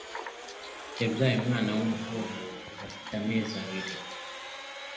yabyaye umwana wu muhungu ubu afite amezi abiri